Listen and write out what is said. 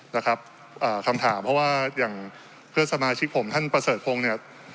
นะครับอ่าคำถามเพราะว่าอย่างเพื่อนสมาชิกผมท่านประเสริฐพงศ์เนี่ย